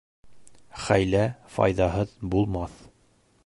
Хәйлә файҙаһыҙ булмаҫ.